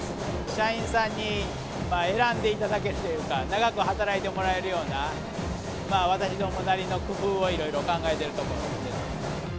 社員さんに選んでいただけるというか、長く働いてもらえるような、私どもなりの工夫をいろいろ考えてるところです。